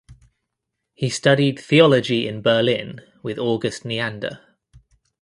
He studied theology in Berlin with August Neander.